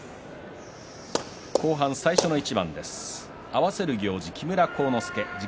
後半最初の一番です。